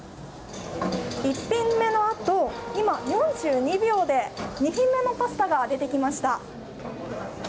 １品目のあと、今、４２秒で２品目のパスタが出てきました。